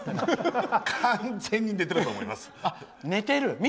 完全に寝てると思います。